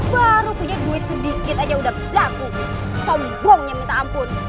baru punya duit sedikit aja udah berlaku sombongnya minta ampun